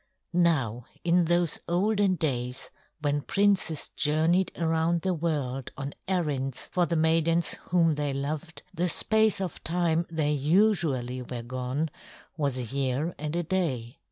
II Now in those olden days, when princes journeyed around the world on errands for the maidens whom they loved, the space of time they usually were gone was a year and a day.